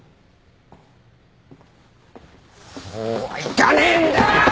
そうはいかねえんだよ！